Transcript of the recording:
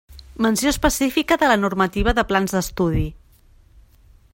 Menció específica de la normativa de plans d'estudi.